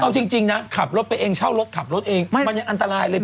เอาจริงนะขับรถไปเองเช่ารถขับรถเองมันยังอันตรายเลย